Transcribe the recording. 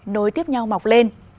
nối tiếp nhau mọc lên